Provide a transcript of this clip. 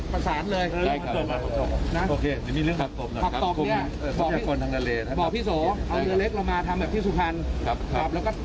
ไปกท์เรือห้าจะกรมอื่นอะไรอย่างง่ายท่านพิธีประสานเลย